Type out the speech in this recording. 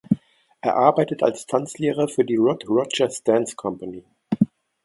Er arbeitet als Tanzlehrer für die "Rod Rogers Dance Company".